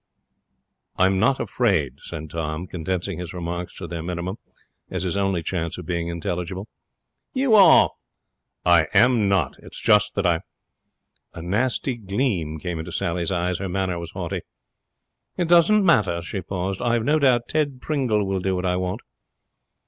'I'm not afraid,' said Tom, condensing his remarks to their minimum as his only chance of being intelligible. 'You are.' 'I'm not. It's just that I ' A nasty gleam came into Sally's eyes. Her manner was haughty. 'It doesn't matter.' She paused. 'I've no doubt Ted Pringle will do what I want.'